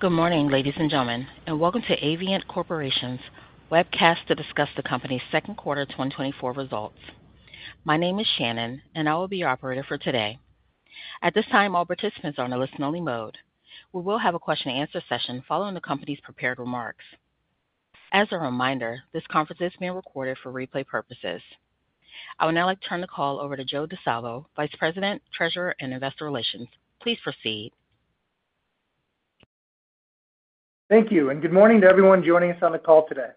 Good morning, ladies and gentlemen, and welcome to Avient Corporation's webcast to discuss the company's second quarter 2024 results. My name is Shannon, and I will be your operator for today. At this time, all participants are on a listen-only mode. We will have a question-and-answer session following the company's prepared remarks. As a reminder, this conference is being recorded for replay purposes. I would now like to turn the call over to Joe Di Salvo, Vice President, Treasurer, and Investor Relations. Please proceed. Thank you, and good morning to everyone joining us on the call today.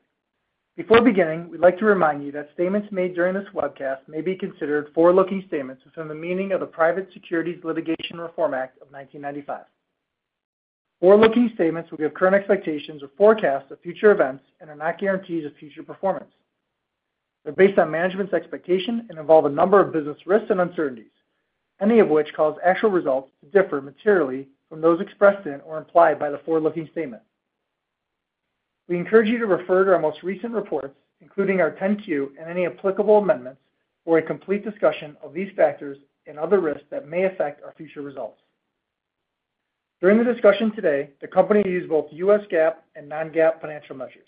Before beginning, we'd like to remind you that statements made during this webcast may be considered forward-looking statements within the meaning of the Private Securities Litigation Reform Act of 1995. Forward-looking statements will give current expectations or forecasts of future events and are not guarantees of future performance. They're based on management's expectation and involve a number of business risks and uncertainties, any of which cause actual results to differ materially from those expressed in or implied by the forward-looking statement. We encourage you to refer to our most recent reports, including our 10-Q and any applicable amendments, for a complete discussion of these factors and other risks that may affect our future results. During the discussion today, the company will use both US GAAP and non-GAAP financial measures.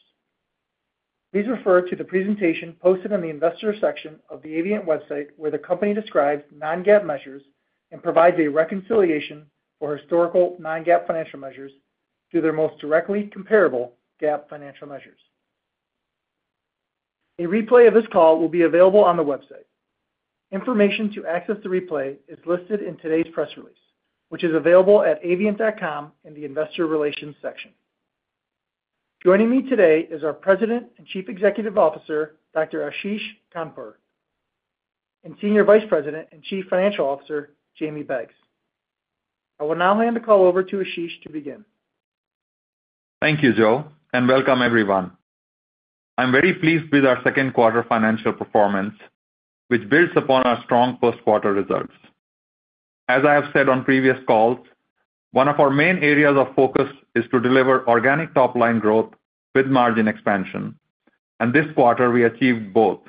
Please refer to the presentation posted on the investor section of the Avient website, where the company describes non-GAAP measures and provides a reconciliation for historical non-GAAP financial measures to their most directly comparable GAAP financial measures. A replay of this call will be available on the website. Information to access the replay is listed in today's press release, which is available at avient.com in the Investor Relations section. Joining me today is our President and Chief Executive Officer, Dr. Ashish Khandpur, and Senior Vice President and Chief Financial Officer, Jamie Beggs. I will now hand the call over to Ashish to begin. Thank you, Joe, and welcome everyone. I'm very pleased with our second quarter financial performance, which builds upon our strong first quarter results. As I have said on previous calls, one of our main areas of focus is to deliver organic top-line growth with margin expansion, and this quarter we achieved both.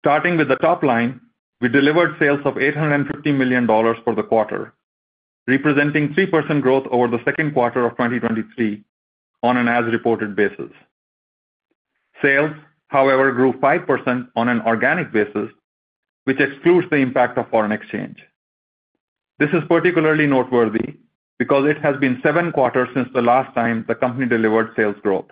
Starting with the top line, we delivered sales of $850 million for the quarter, representing 3% growth over the second quarter of 2023 on an as-reported basis. Sales, however, grew 5% on an organic basis, which excludes the impact of foreign exchange. This is particularly noteworthy because it has been 7 quarters since the last time the company delivered sales growth.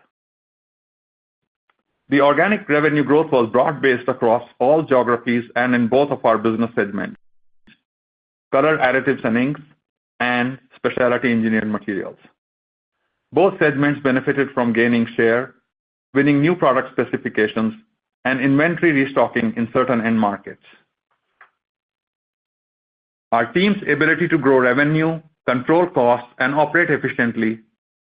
The organic revenue growth was broad-based across all geographies and in both of our business segments: Color, Additives and Inks and Specialty Engineered Materials. Both segments benefited from gaining share, winning new product specifications, and inventory restocking in certain end markets. Our team's ability to grow revenue, control costs, and operate efficiently,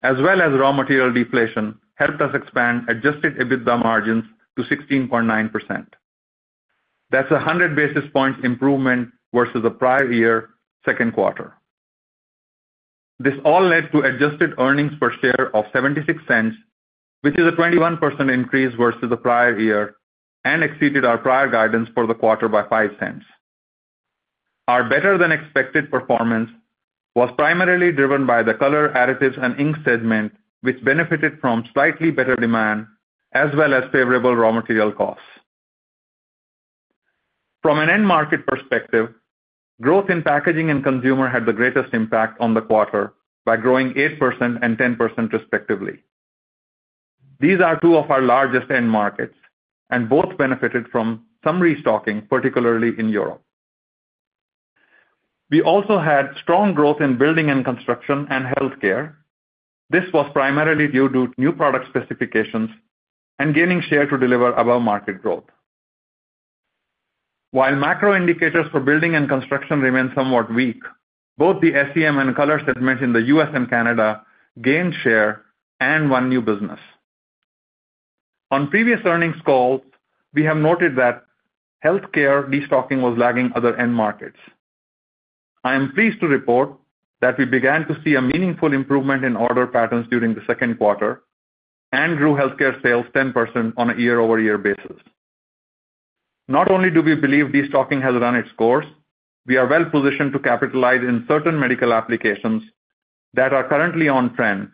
as well as raw material deflation, helped us expand Adjusted EBITDA margins to 16.9%. That's a 100 basis point improvement versus the prior year second quarter. This all led to adjusted earnings per share of $0.76, which is a 21% increase versus the prior year and exceeded our prior guidance for the quarter by $0.05. Our better-than-expected performance was primarily driven by the Color, Additives and Inks segment, which benefited from slightly better demand as well as favorable raw material costs. From an end market perspective, growth in packaging and consumer had the greatest impact on the quarter by growing 8% and 10%, respectively. These are two of our largest end markets, and both benefited from some restocking, particularly in Europe. We also had strong growth in building and construction and healthcare. This was primarily due to new product specifications and gaining share to deliver above-market growth. While macro indicators for building and construction remain somewhat weak, both the SEM and Color segment in the U.S. and Canada gained share and won new business. On previous earnings calls, we have noted that healthcare destocking was lagging other end markets. I am pleased to report that we began to see a meaningful improvement in order patterns during the second quarter and grew healthcare sales 10% on a year-over-year basis. Not only do we believe destocking has run its course, we are well positioned to capitalize in certain medical applications that are currently on trend,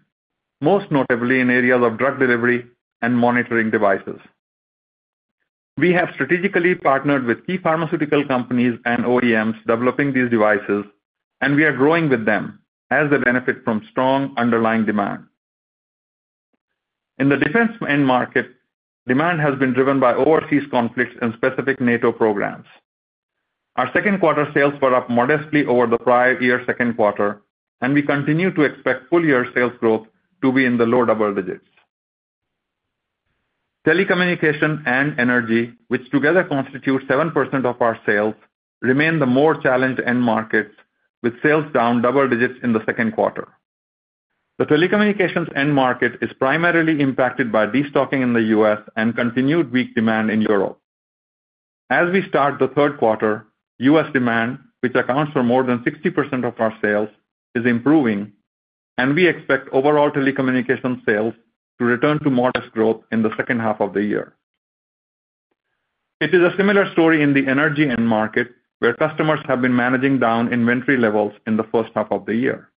most notably in areas of drug delivery and monitoring devices. We have strategically partnered with key pharmaceutical companies and OEMs developing these devices, and we are growing with them as they benefit from strong underlying demand. In the defense end market, demand has been driven by overseas conflicts and specific NATO programs. Our second quarter sales were up modestly over the prior year's second quarter, and we continue to expect full-year sales growth to be in the low double digits. Telecommunications and energy, which together constitute 7% of our sales, remain the more challenged end markets, with sales down double digits in the second quarter. The telecommunications end market is primarily impacted by destocking in the U.S. and continued weak demand in Europe. As we start the third quarter, U.S. demand, which accounts for more than 60% of our sales, is improving, and we expect overall telecommunications sales to return to modest growth in the second half of the year. It is a similar story in the energy end market, where customers have been managing down inventory levels in the first half of the year.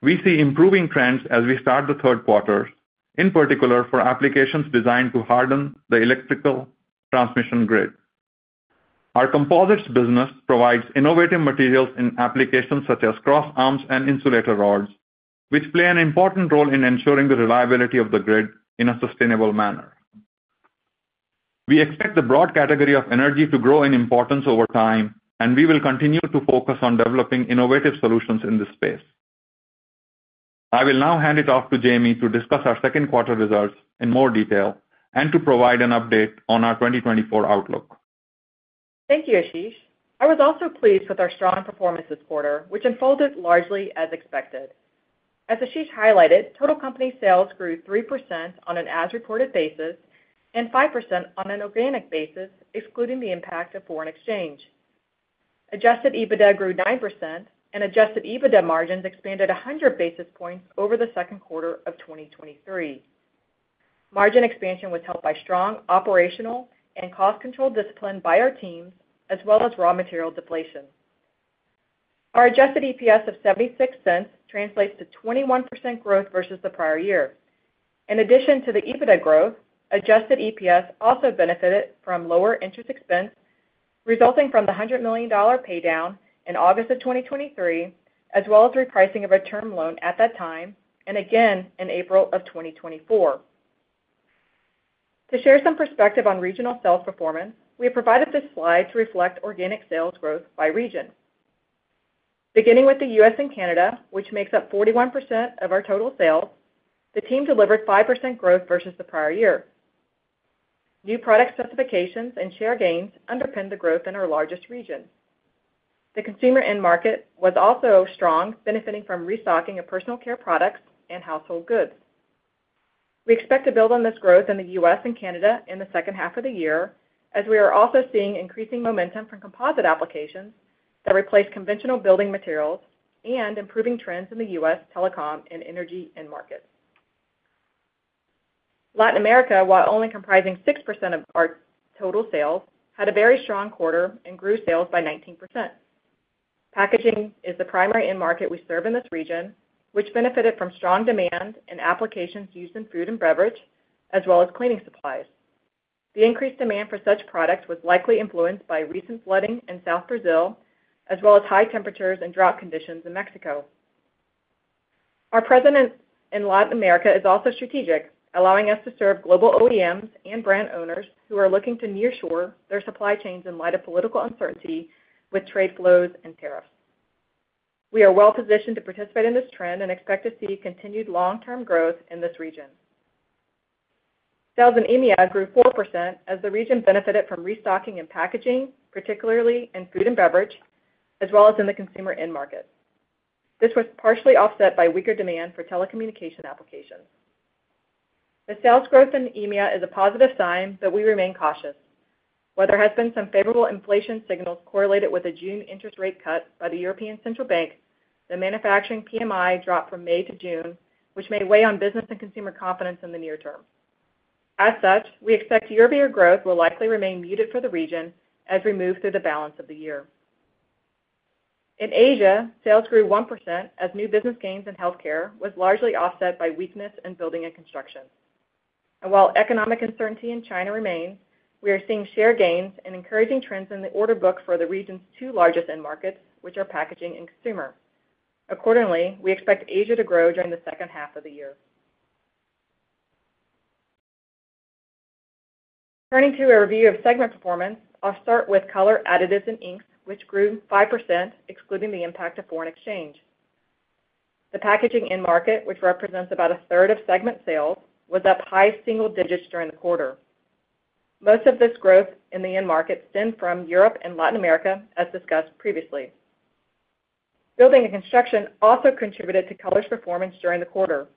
We see improving trends as we start the third quarter, in particular, for applications designed to harden the electrical transmission grid. Our composites business provides innovative materials in applications such as crossarms and insulator rods, which play an important role in ensuring the reliability of the grid in a sustainable manner. We expect the broad category of energy to grow in importance over time, and we will continue to focus on developing innovative solutions in this space. I will now hand it off to Jamie to discuss our second quarter results in more detail and to provide an update on our 2024 outlook. Thank you, Ashish. I was also pleased with our strong performance this quarter, which unfolded largely as expected. As Ashish highlighted, total company sales grew 3% on an as-reported basis and 5% on an organic basis, excluding the impact of foreign exchange. Adjusted EBITDA grew 9%, and adjusted EBITDA margins expanded 100 basis points over the second quarter of 2023. Margin expansion was helped by strong operational and cost control discipline by our teams, as well as raw material deflation. Our adjusted EPS of $0.76 translates to 21% growth versus the prior year. In addition to the EBITDA growth, adjusted EPS also benefited from lower interest expense, resulting from the $100 million pay down in August of 2023, as well as repricing of a term loan at that time, and again in April of 2024. To share some perspective on regional sales performance, we have provided this slide to reflect organic sales growth by region. Beginning with the U.S. and Canada, which makes up 41% of our total sales, the team delivered 5% growth versus the prior year. New product specifications and share gains underpinned the growth in our largest region. The consumer end market was also strong, benefiting from restocking of personal care products and household goods. We expect to build on this growth in the U.S. and Canada in the second half of the year, as we are also seeing increasing momentum from composite applications that replace conventional building materials and improving trends in the U.S. telecom and energy end markets. Latin America, while only comprising 6% of our total sales, had a very strong quarter and grew sales by 19%. Packaging is the primary end market we serve in this region, which benefited from strong demand and applications used in food and beverage, as well as cleaning supplies. The increased demand for such products was likely influenced by recent flooding in South Brazil, as well as high temperatures and drought conditions in Mexico. Our presence in Latin America is also strategic, allowing us to serve global OEMs and brand owners who are looking to nearshore their supply chains in light of political uncertainty with trade flows and tariffs. We are well positioned to participate in this trend and expect to see continued long-term growth in this region. Sales in EMEA grew 4% as the region benefited from restocking and packaging, particularly in food and beverage, as well as in the consumer end market. This was partially offset by weaker demand for telecommunication applications. The sales growth in EMEA is a positive sign, but we remain cautious. While there has been some favorable inflation signals correlated with a June interest rate cut by the European Central Bank, the manufacturing PMI dropped from May to June, which may weigh on business and consumer confidence in the near term. As such, we expect year-over-year growth will likely remain muted for the region as we move through the balance of the year. In Asia, sales grew 1% as new business gains in healthcare was largely offset by weakness in building and construction. While economic uncertainty in China remains, we are seeing share gains and encouraging trends in the order book for the region's two largest end markets, which are packaging and consumer. Accordingly, we expect Asia to grow during the second half of the year. Turning to a review of segment performance, I'll start with Color, Additives and Inks, which grew 5%, excluding the impact of foreign exchange. The packaging end market, which represents about a third of segment sales, was up high single digits during the quarter. Most of this growth in the end market stemmed from Europe and Latin America, as discussed previously. Building and construction also contributed to Color's performance during the quarter.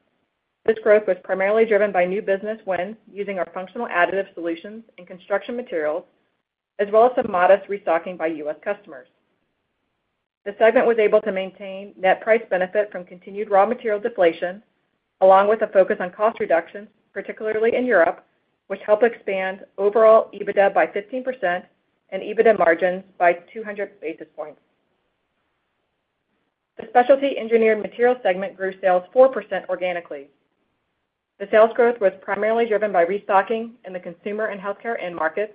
This growth was primarily driven by new business wins using our functional additive solutions and construction materials, as well as some modest restocking by U.S. customers. The segment was able to maintain net price benefit from continued raw material deflation, along with a focus on cost reductions, particularly in Europe, which helped expand overall EBITDA by 15% and EBITDA margins by 200 basis points. The Specialty Engineered Materials segment grew sales 4% organically. The sales growth was primarily driven by restocking in the consumer and healthcare end markets,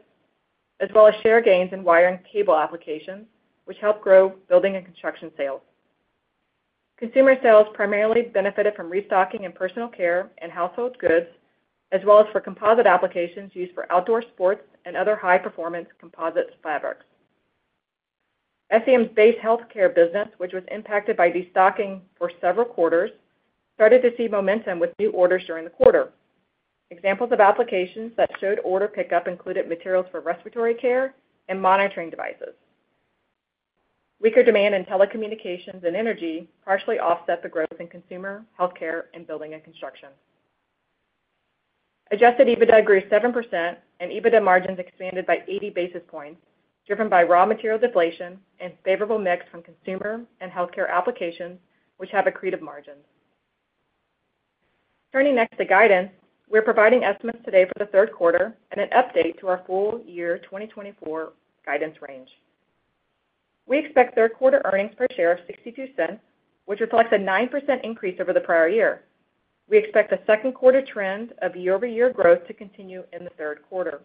as well as share gains in wire and cable applications, which helped grow building and construction sales. Consumer sales primarily benefited from restocking in personal care and household goods, as well as for composite applications used for outdoor sports and other high-performance composite fabrics. SEM's base healthcare business, which was impacted by destocking for several quarters, started to see momentum with new orders during the quarter. Examples of applications that showed order pickup included materials for respiratory care and monitoring devices. Weaker demand in telecommunications and energy partially offset the growth in consumer, healthcare, and building and construction. Adjusted EBITDA grew 7%, and EBITDA margins expanded by 80 basis points, driven by raw material deflation and favorable mix from consumer and healthcare applications, which have accretive margins. Turning next to guidance, we're providing estimates today for the third quarter and an update to our full year 2024 guidance range. We expect third quarter earnings per share of $0.62, which reflects a 9% increase over the prior year. We expect the second quarter trend of year-over-year growth to continue in the third quarter.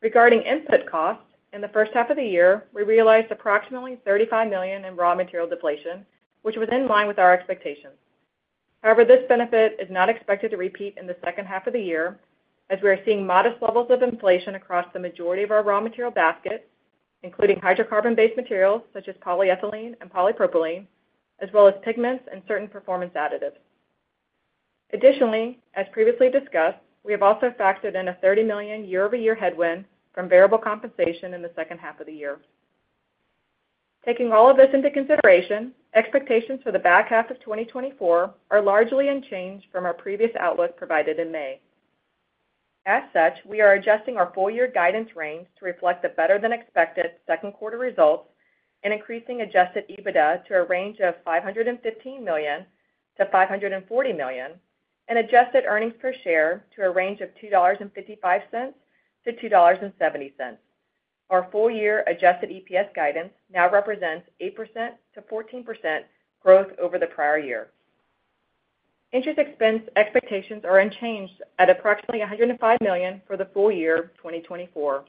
Regarding input costs, in the first half of the year, we realized approximately $35 million in raw material deflation, which was in line with our expectations. However, this benefit is not expected to repeat in the second half of the year, as we are seeing modest levels of inflation across the majority of our raw material basket, including hydrocarbon-based materials such as polyethylene and polypropylene, as well as pigments and certain performance additives. Additionally, as previously discussed, we have also factored in a $30 million year-over-year headwind from variable compensation in the second half of the year. Taking all of this into consideration, expectations for the back half of 2024 are largely unchanged from our previous outlook provided in May. As such, we are adjusting our full year guidance range to reflect the better-than-expected second quarter results and increasing Adjusted EBITDA to a range of $515 million-$540 million, and adjusted earnings per share to a range of $2.55-$2.70. Our full year Adjusted EPS guidance now represents 8%-14% growth over the prior year. Interest expense expectations are unchanged at approximately $105 million for the full year 2024.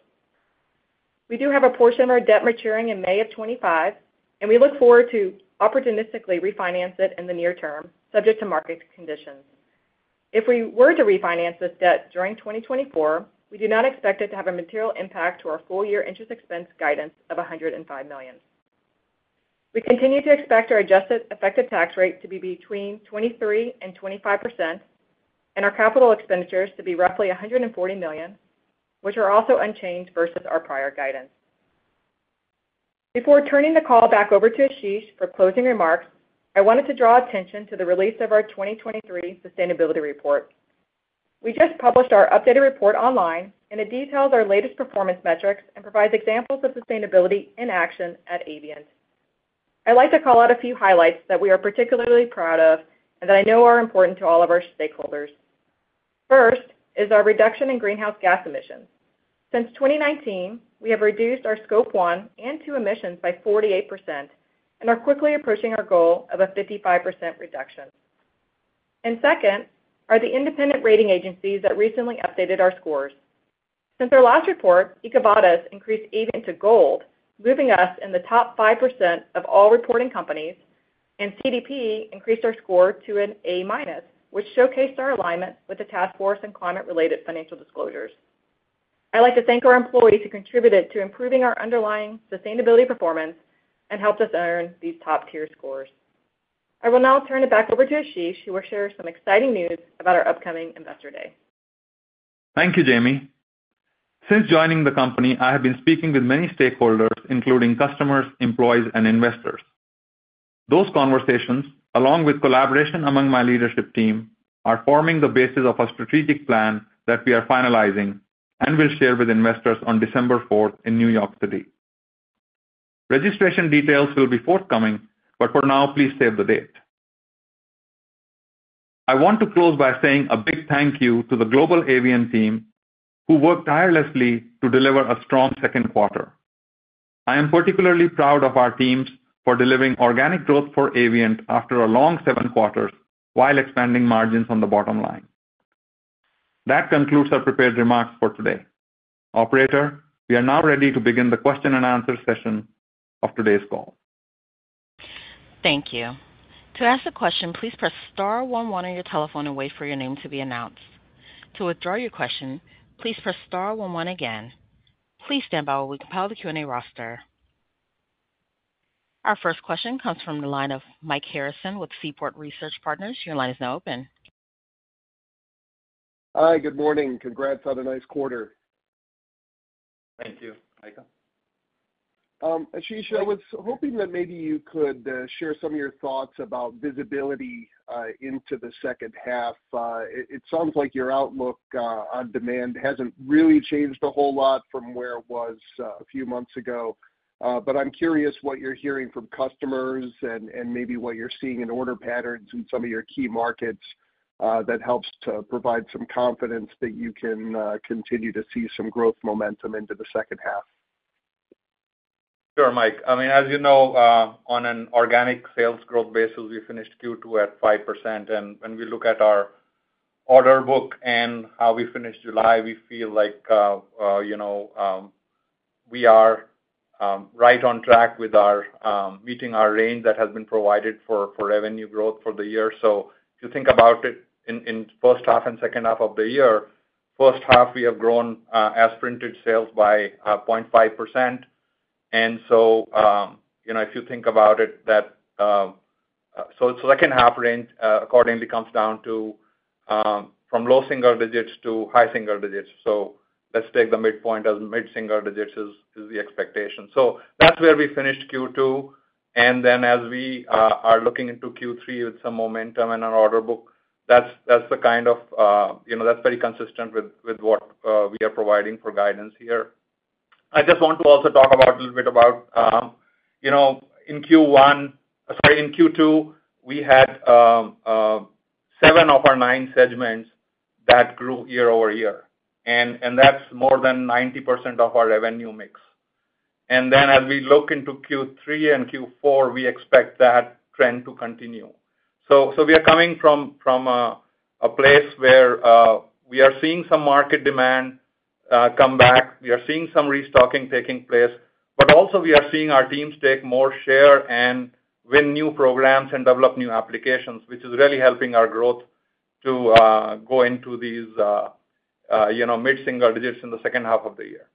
We do have a portion of our debt maturing in May 2025, and we look forward to opportunistically refinance it in the near term, subject to market conditions. If we were to refinance this debt during 2024, we do not expect it to have a material impact to our full-year interest expense guidance of $105 million. We continue to expect our adjusted effective tax rate to be between 23% and 25%, and our capital expenditures to be roughly $140 million, which are also unchanged versus our prior guidance. Before turning the call back over to Ashish for closing remarks, I wanted to draw attention to the release of our 2023 sustainability report. We just published our updated report online, and it details our latest performance metrics and provides examples of sustainability in action at Avient. I'd like to call out a few highlights that we are particularly proud of and that I know are important to all of our stakeholders. First is our reduction in greenhouse gas emissions. Since 2019, we have reduced our Scope 1 and 2 emissions by 48% and are quickly approaching our goal of a 55% reduction. Second are the independent rating agencies that recently updated our scores. Since our last report, EcoVadis increased Avient to gold, moving us in the top 5% of all reporting companies, and CDP increased our score to an A-, which showcased our alignment with the Task Force on Climate-related Financial Disclosures. I'd like to thank our employees who contributed to improving our underlying sustainability performance and helped us earn these top-tier scores. I will now turn it back over to Ashish, who will share some exciting news about our upcoming Investor Day. Thank you, Jamie. Since joining the company, I have been speaking with many stakeholders, including customers, employees, and investors. Those conversations, along with collaboration among my leadership team, are forming the basis of a strategic plan that we are finalizing and will share with investors on December fourth in New York City. Registration details will be forthcoming, but for now, please save the date. I want to close by saying a big thank you to the global Avient team, who worked tirelessly to deliver a strong second quarter. I am particularly proud of our teams for delivering organic growth for Avient after a long seven quarters while expanding margins on the bottom line. That concludes our prepared remarks for today. Operator, we are now ready to begin the question and answer session of today's call. Thank you. To ask a question, please press star one one on your telephone and wait for your name to be announced. To withdraw your question, please press star one one again. Please stand by while we compile the Q&A roster. Our first question comes from the line of Mike Harrison with Seaport Research Partners. Your line is now open. Hi, good morning. Congrats on a nice quarter. Thank you, Mike. Ashish, I was hoping that maybe you could share some of your thoughts about visibility into the second half. It sounds like your outlook on demand hasn't really changed a whole lot from where it was a few months ago. But I'm curious what you're hearing from customers and maybe what you're seeing in order patterns in some of your key markets that helps to provide some confidence that you can continue to see some growth momentum into the second half. Sure, Mike. I mean, as you know, on an organic sales growth basis, we finished Q2 at 5%, and when we look at our order book and how we finished July, we feel like, you know, we are right on track with our meeting our range that has been provided for revenue growth for the year. So if you think about it, in first half and second half of the year, first half, we have grown as-reported sales by 0.5%. And so, you know, if you think about it, that, so second half range accordingly comes down to from low single digits to high single digits. So let's take the midpoint as mid single digits is the expectation. So that's where we finished Q2. And then as we are looking into Q3 with some momentum in our order book, that's the kind of you know that's pretty consistent with what we are providing for guidance here. I just want to also talk about a little bit about you know in Q1, sorry, in Q2, we had seven of our nine segments that grew year-over-year, and that's more than 90% of our revenue mix. And then as we look into Q3 and Q4, we expect that trend to continue. So we are coming from a place where we are seeing some market demand come back. We are seeing some restocking taking place, but also we are seeing our teams take more share and win new programs and develop new applications, which is really helping our growth to go into these, you know, mid-single digits in the second half of the year.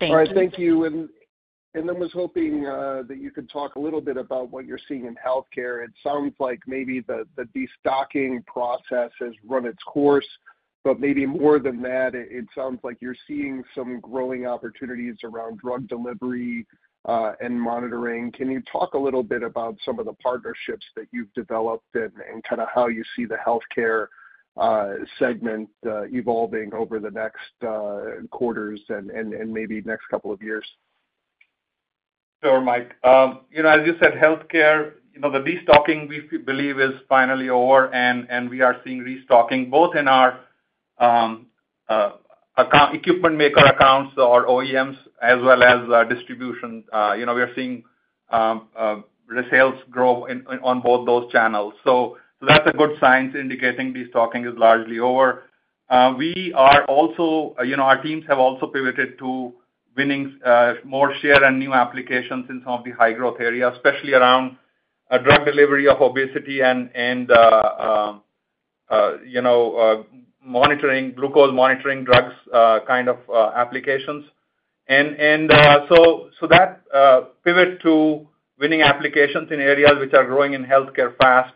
Thank you. All right. Thank you. I was hoping that you could talk a little bit about what you're seeing in healthcare. It sounds like maybe the destocking process has run its course, but maybe more than that, it sounds like you're seeing some growing opportunities around drug delivery and monitoring. Can you talk a little bit about some of the partnerships that you've developed and kind of how you see the healthcare segment evolving over the next quarters and maybe next couple of years? Sure, Mike. You know, as you said, healthcare, you know, the destocking, we believe, is finally over, and we are seeing restocking both in our equipment maker accounts or OEMs, as well as distribution. You know, we are seeing the sales grow on both those channels. So that's a good sign indicating destocking is largely over. We are also, you know, our teams have also pivoted to winning more share and new applications in some of the high-growth areas, especially around drug delivery of obesity and glucose monitoring drugs kind of applications. So that pivot to winning applications in areas which are growing in healthcare fast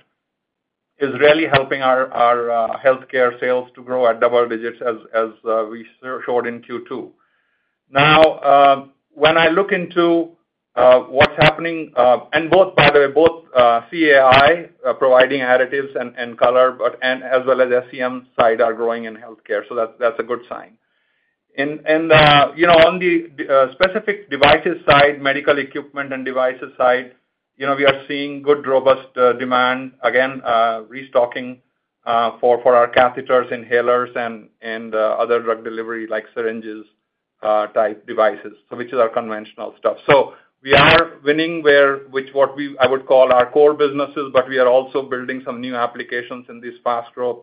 is really helping our healthcare sales to grow at double digits as we showed in Q2. Now, when I look into what's happening. Both, by the way, both CAI, providing additives and color, as well as SEM side, are growing in healthcare, so that's a good sign. You know, on the specific devices side, medical equipment and devices side, you know, we are seeing good, robust demand, again, restocking for our catheters, inhalers, and other drug delivery, like syringes, type devices, so which is our conventional stuff. So we are winning in what I would call our core businesses, but we are also building some new applications in these fast-growth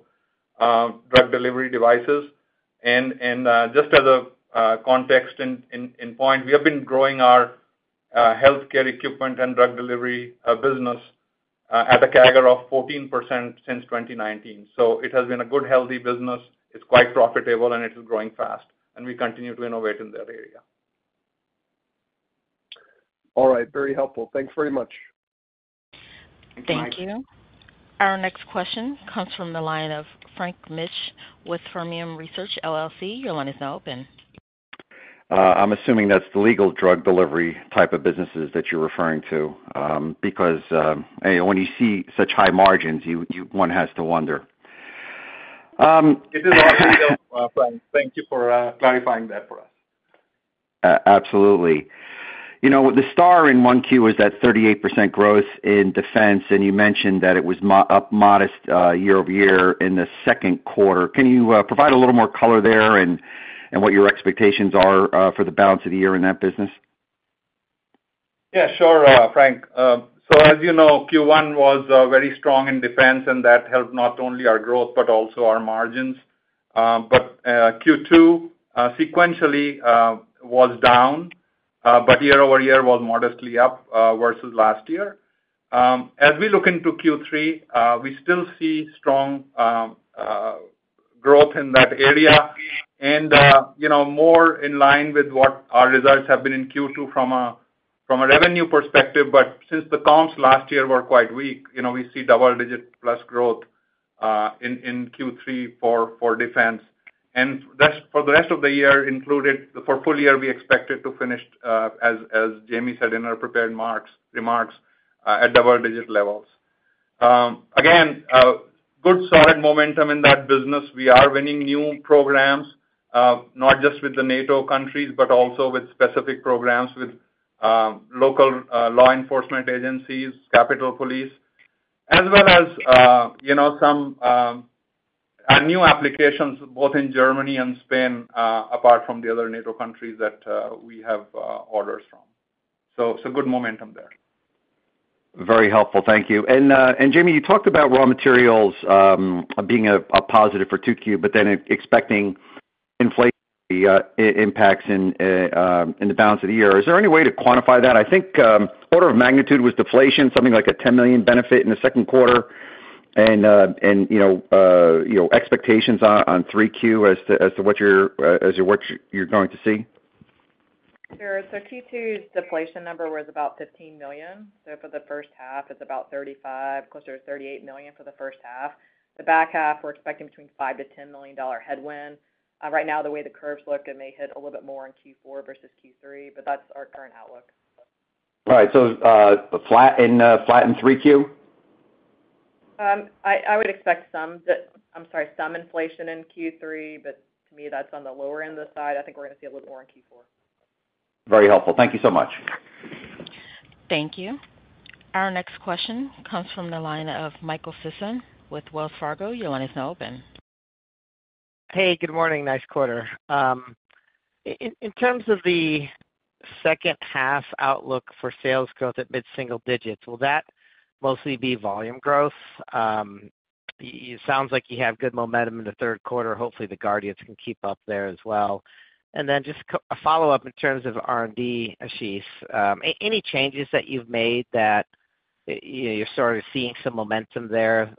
drug delivery devices. Just as a context in point, we have been growing our healthcare equipment and drug delivery business at a CAGR of 14% since 2019. So it has been a good, healthy business. It's quite profitable, and it is growing fast, and we continue to innovate in that area. All right. Very helpful. Thanks very much. Thank you, Mike. Thank you. Our next question comes from the line of Frank Mitsch with Fermium Research. Your line is now open. I'm assuming that's the legal drug delivery type of businesses that you're referring to, because when you see such high margins, one has to wonder. It is, Frank. Thank you for clarifying that for us. Absolutely. You know, the star in 1Q was that 38% growth in defense, and you mentioned that it was modest year-over-year in the second quarter. Can you provide a little more color there and what your expectations are for the balance of the year in that business? Yeah, sure, Frank. So as you know, Q1 was very strong in defense, and that helped not only our growth but also our margins. But Q2, sequentially, was down, but year-over-year was modestly up versus last year. As we look into Q3, we still see strong growth in that area and, you know, more in line with what our results have been in Q2 from a revenue perspective. But since the comps last year were quite weak, you know, we see double-digit plus growth in Q3 for defense. And that's, for the rest of the year included, for full year, we expect it to finish, as Jamie said in our prepared remarks, at double-digit levels. Again, good solid momentum in that business. We are winning new programs, not just with the NATO countries, but also with specific programs with local law enforcement agencies, Capitol Police, as well as you know, some new applications both in Germany and Spain, apart from the other NATO countries that we have orders from. So good momentum there. Very helpful. Thank you. And, and Jamie, you talked about raw materials, being a, a positive for 2Q, but then expecting inflation, impacts in, in the balance of the year. Is there any way to quantify that? I think, order of magnitude was deflation, something like a $10 million benefit in the second quarter, and, and, you know, you know, expectations on, on 3Q as to, as to what you're, as to what you're going to see. Sure. So Q2's deflation number was about $15 million. So for the first half, it's about $35 million, closer to $38 million for the first half. The back half, we're expecting between $5-$10 million dollar headwind. Right now, the way the curves look, it may hit a little bit more in Q4 versus Q3, but that's our current outlook. Right. So, flat in 3Q? I would expect some inflation in Q3, but to me, that's on the lower end of the side. I think we're gonna see a little more in Q4. Very helpful. Thank you so much. Thank you. Our next question comes from the line of Michael Sisson with Wells Fargo. Your line is now open. Hey, good morning. Nice quarter. In terms of the second half outlook for sales growth at mid-single digits, will that mostly be volume growth? It sounds like you have good momentum in the third quarter. Hopefully, the Guardians can keep up there as well. And then just a follow-up in terms of R&D, Ashish. Any changes that you've made that, you know, you're sort of seeing some momentum there,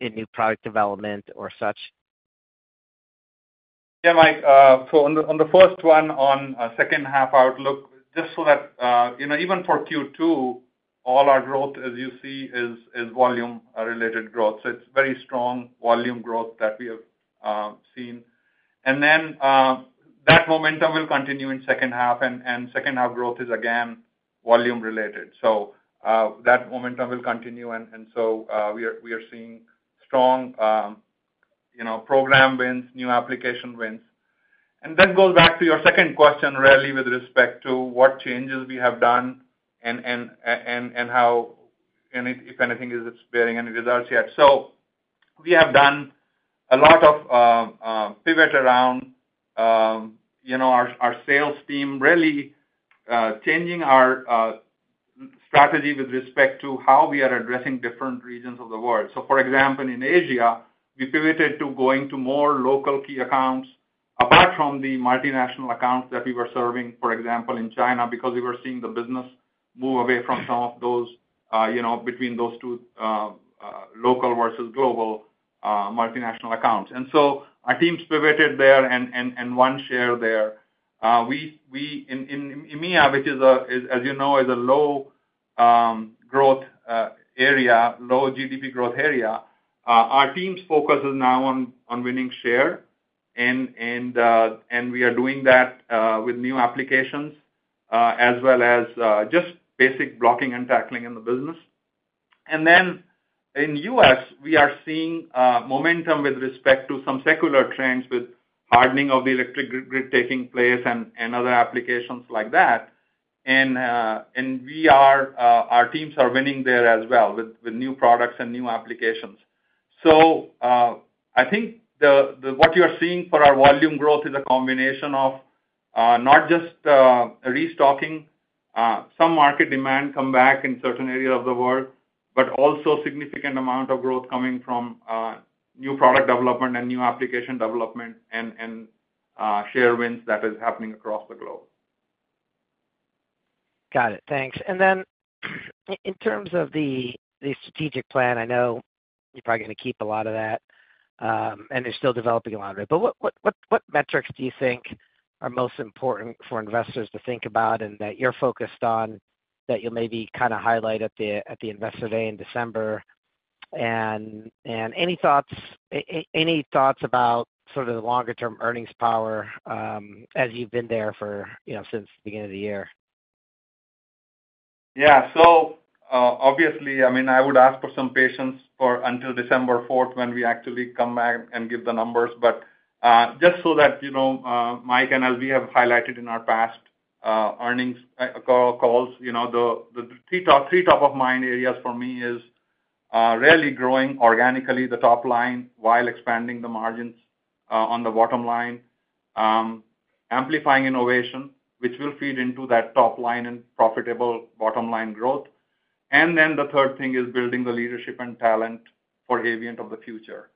in new product development or such? Yeah, Mike. So on the first one, second half outlook, just so that you know, even for Q2, all our growth, as you see, is volume related growth. So it's very strong volume growth that we have seen. And then that momentum will continue in second half, and second half growth is again volume related. So that momentum will continue, and so we are seeing strong, you know, program wins, new application wins. And then go back to your second question, really, with respect to what changes we have done and how, and if anything is bearing any results yet. So we have done a lot of pivot around you know our sales team really changing our strategy with respect to how we are addressing different regions of the world. So, for example, in Asia, we pivoted to going to more local key accounts, apart from the multinational accounts that we were serving, for example, in China, because we were seeing the business move away from some of those you know between those two local versus global multinational accounts. And so our teams pivoted there and won share there. We in EMEA, which is, as you know, a low growth area, low GDP growth area, our team's focus is now on winning share, and we are doing that with new applications as well as just basic blocking and tackling in the business. And then in US, we are seeing momentum with respect to some secular trends with hardening of the electric grid taking place and other applications like that. And our teams are winning there as well, with new products and new applications. So, I think what you're seeing for our volume growth is a combination of, not just, restocking, some market demand comeback in certain areas of the world, but also significant amount of growth coming from, new product development and new application development and, share wins that is happening across the globe. Got it, thanks. And then, in terms of the strategic plan, I know you're probably gonna keep a lot of that, and you're still developing a lot of it. But what metrics do you think are most important for investors to think about and that you're focused on, that you'll maybe kind of highlight at the Investor Day in December? And any thoughts about sort of the longer-term earnings power, as you've been there for, you know, since the beginning of the year? Yeah. So, obviously, I mean, I would ask for some patience for until December fourth, when we actually come back and give the numbers. But, just so that, you know, Mike, and as we have highlighted in our past, earnings, call, calls, you know, the, the three top, three top of mind areas for me is, really growing organically, the top line, while expanding the margins, on the bottom line. Amplifying innovation, which will feed into that top line and profitable bottom line growth. And then the third thing is building the leadership and talent for Avient of the future.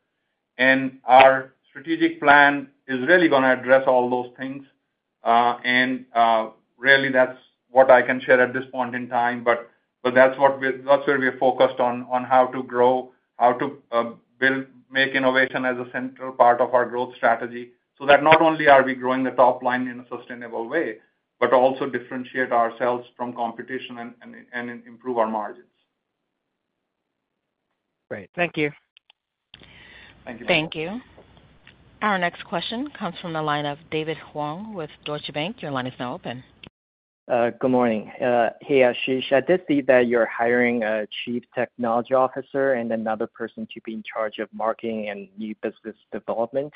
And our strategic plan is really gonna address all those things. And, really, that's what I can share at this point in time. But that's where we are focused on how to grow, how to build, make innovation as a central part of our growth strategy, so that not only are we growing the top line in a sustainable way, but also differentiate ourselves from competition and improve our margins. Great. Thank you. Thank you. Thank you. Our next question comes from the line of David Huang with Deutsche Bank. Your line is now open. Good morning. Hey, Ashish, I did see that you're hiring a Chief Technology Officer and another person to be in charge of marketing and new business development.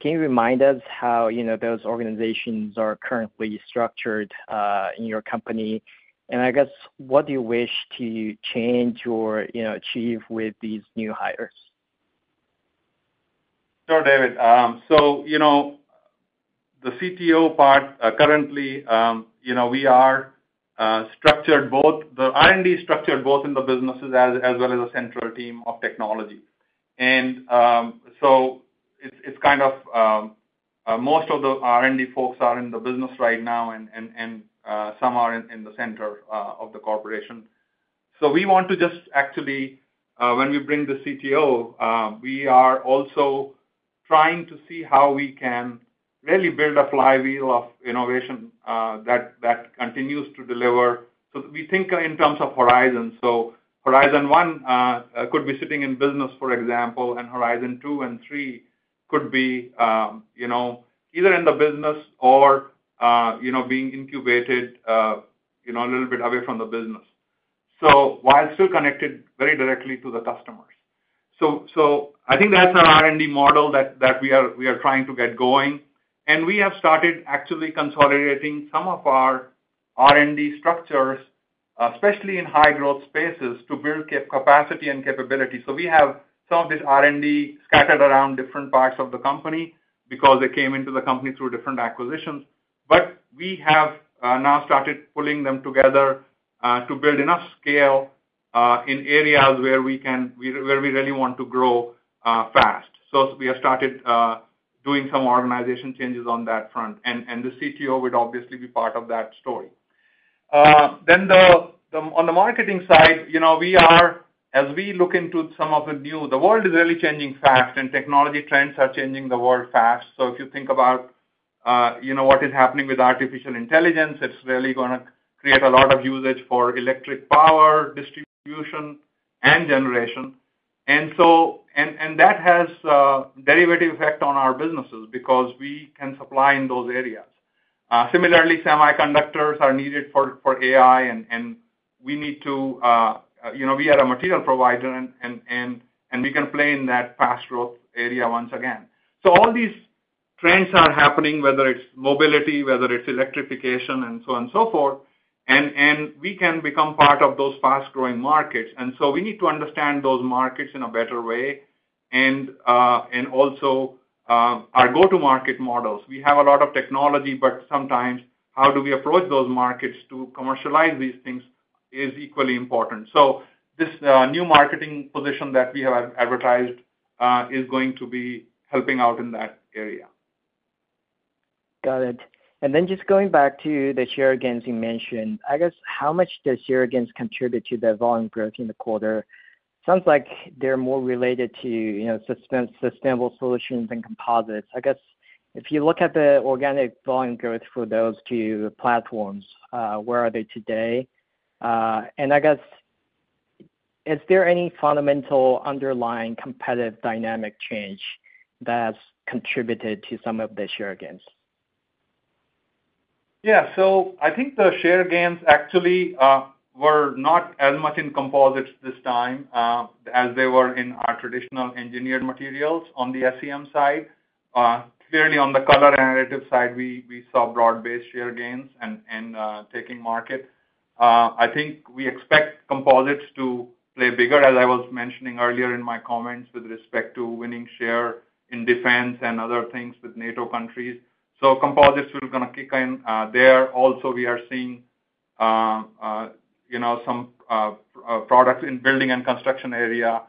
Can you remind us how, you know, those organizations are currently structured in your company? And I guess, what do you wish to change or, you know, achieve with these new hires? Sure, David. So, you know, the CTO part, currently, you know, we are structured both. The R&D is structured both in the businesses as well as a central team of technology. And, so it's, it's kind of, most of the R&D folks are in the business right now, and some are in the center of the corporation. So we want to just actually, when we bring the CTO, we are also trying to see how we can really build a flywheel of innovation, that continues to deliver. So we think in terms of horizon. So horizon one could be sitting in business, for example, and horizon two and three, could be, you know, either in the business or, you know, being incubated, you know, a little bit away from the business. So while still connected very directly to the customers. So I think that's an R&D model that we are trying to get going. And we have started actually consolidating some of our R&D structures, especially in high growth spaces, to build capacity and capability. So we have some of this R&D scattered around different parts of the company because they came into the company through different acquisitions. But we have now started pulling them together to build enough scale in areas where we really want to grow fast. So we have started doing some organizational changes on that front, and the CTO would obviously be part of that story. Then on the marketing side, you know, we are, as we look into some of the new. The world is really changing fast, and technology trends are changing the world fast. So if you think about, you know, what is happening with artificial intelligence, it's really gonna create a lot of usage for electric power, distribution, and generation. And so that has a derivative effect on our businesses because we can supply in those areas. Similarly, semiconductors are needed for AI, and we need to, you know, we are a material provider, and we can play in that fast growth area once again. So all these trends are happening, whether it's mobility, whether it's electrification, and so on and so forth, and we can become part of those fast-growing markets. And so we need to understand those markets in a better way, and also, our go-to-market models. We have a lot of technology, but sometimes how do we approach those markets to commercialize these things is equally important. So this new marketing position that we have advertised is going to be helping out in that area. Got it. Then just going back to the share gains you mentioned, I guess, how much does share gains contribute to the volume growth in the quarter? Sounds like they're more related to, you know, sustainable solutions and composites. I guess, if you look at the organic volume growth for those two platforms, where are they today? And I guess, is there any fundamental underlying competitive dynamic change that's contributed to some of the share gains? Yeah. So I think the share gains actually were not as much in composites this time as they were in our traditional engineered materials on the SEM side. Clearly, on the color and additive side, we saw broad-based share gains and taking market. I think we expect composites to play bigger, as I was mentioning earlier in my comments, with respect to winning share in defense and other things with NATO countries. So composites are gonna kick in there. Also, we are seeing you know some products in building and construction area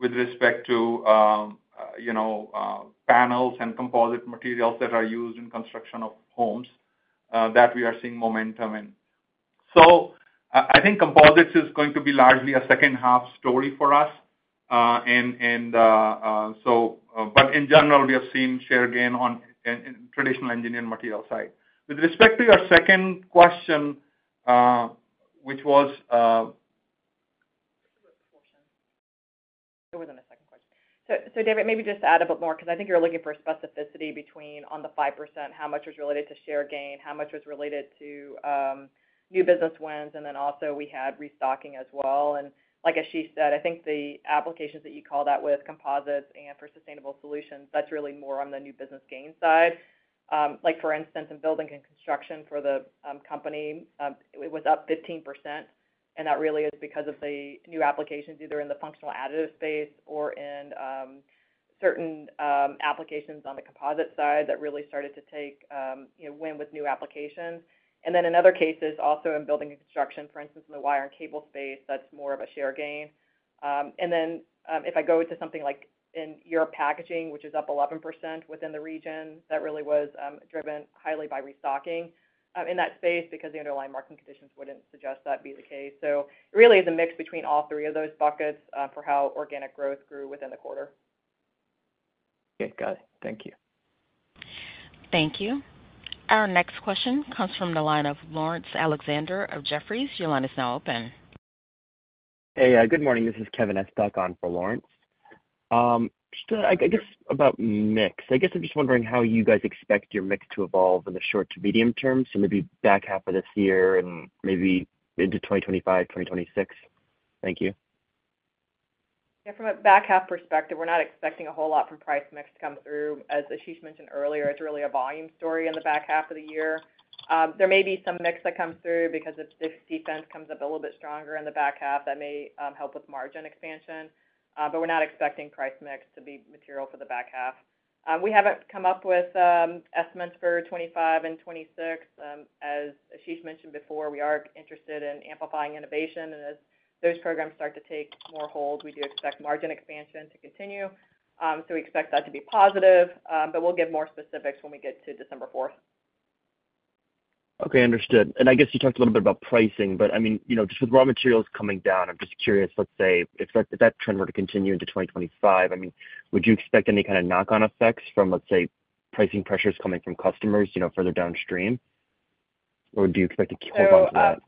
with respect to you know panels and composite materials that are used in construction of homes that we are seeing momentum in. So I think composites is going to be largely a second half story for us, and so. But in general, we have seen share gain in traditional engineering material side. With respect to your second question, which was, There wasn't a second question. So, David, maybe just add a bit more, because I think you're looking for specificity between on the 5%, how much was related to share gain, how much was related to new business wins, and then also we had restocking as well. And like Ashish said, I think the applications that you called out with composites and for sustainable solutions, that's really more on the new business gain side. Like, for instance, in building and construction for the company, it was up 15%, and that really is because of the new applications, either in the functional additive space or in certain applications on the composite side that really started to take, you know, win with new applications. And then in other cases, also in building and construction, for instance, in the wire and cable space, that's more of a share gain. And then, if I go to something like in Europe packaging, which is up 11% within the region, that really was driven highly by restocking in that space because the underlying market conditions wouldn't suggest that be the case. So really, the mix between all three of those buckets, for how organic growth grew within the quarter. Okay, got it. Thank you. Thank you. Our next question comes from the line of Lawrence Alexander of Jefferies. Your line is now open. Hey, good morning. This is Kevin Estok on for Lawrence. Just, I guess about mix. I guess I'm just wondering how you guys expect your mix to evolve in the short to medium term, so maybe back half of this year and maybe into 2025, 2026. Thank you. Yeah, from a back half perspective, we're not expecting a whole lot from price mix to come through. As Ashish mentioned earlier, it's really a volume story in the back half of the year. There may be some mix that comes through because if defense comes up a little bit stronger in the back half, that may help with margin expansion, but we're not expecting price mix to be material for the back half. We haven't come up with estimates for 2025 and 2026. As Ashish mentioned before, we are interested in amplifying innovation, and as those programs start to take more hold, we do expect margin expansion to continue. So we expect that to be positive, but we'll give more specifics when we get to December fourth. Okay, understood. And I guess you talked a little bit about pricing, but I mean, you know, just with raw materials coming down, I'm just curious, let's say, if that, if that trend were to continue into 2025, I mean, would you expect any kind of knock-on effects from, let's say, pricing pressures coming from customers, you know, further downstream? Or do you expect to keep on that? So,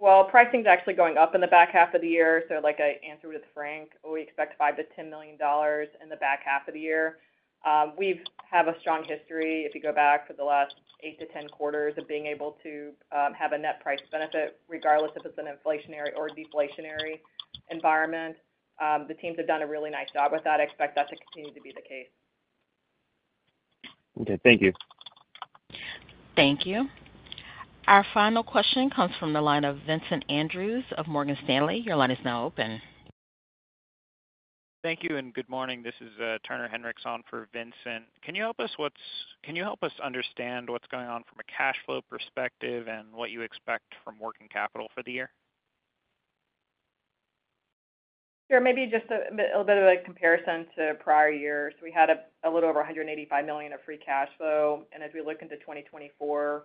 well, pricing is actually going up in the back half of the year. So like I answered with Frank, we expect $5-$10 million in the back half of the year. We have a strong history, if you go back for the last 8-10 quarters, of being able to have a net price benefit, regardless if it's an inflationary or deflationary environment. The teams have done a really nice job with that. I expect that to continue to be the case. Okay, thank you. Thank you. Our final question comes from the line of Vincent Andrews of Morgan Stanley. Your line is now open. Thank you, and good morning. This is Turner Hinrichs on for Vincent. Can you help us understand what's going on from a cash flow perspective and what you expect from working capital for the year? Sure. Maybe just a bit of a comparison to prior years. We had a little over $185 million of free cash flow, and as we look into 2024,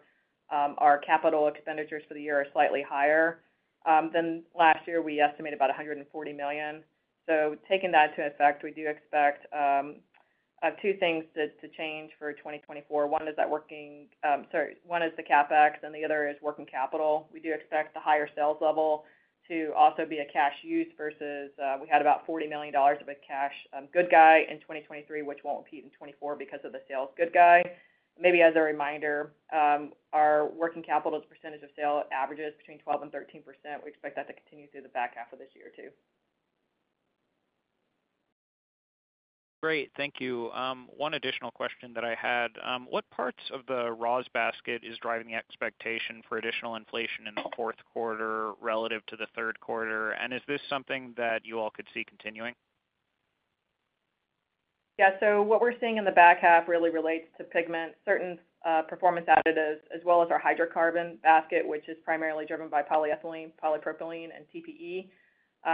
our capital expenditures for the year are slightly higher than last year. We estimate about $140 million. So taking that into effect, we do expect two things to change for 2024. One is the CapEx, and the other is working capital. We do expect the higher sales level to also be a cash use versus we had about $40 million of a cash build in 2023, which won't repeat in 2024 because of the sales build. Maybe as a reminder, our working capital as a percentage of sales averages between 12%-13%. We expect that to continue through the back half of this year, too. Great. Thank you. One additional question that I had: What parts of the raw's basket is driving the expectation for additional inflation in the fourth quarter relative to the third quarter? And is this something that you all could see continuing? Yeah, so what we're seeing in the back half really relates to pigment, certain performance additives, as well as our hydrocarbon basket, which is primarily driven by polyethylene, polypropylene, and TPE.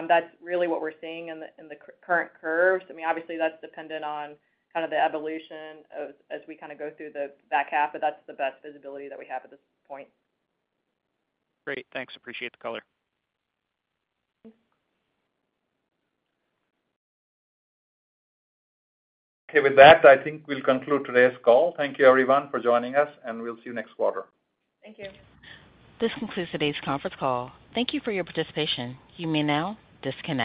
That's really what we're seeing in the current curves. I mean, obviously, that's dependent on kind of the evolution as we kind of go through the back half, but that's the best visibility that we have at this point. Great. Thanks. Appreciate the color. Thanks. Okay, with that, I think we'll conclude today's call. Thank you, everyone, for joining us, and we'll see you next quarter. Thank you. This concludes today's conference call. Thank you for your participation. You may now disconnect.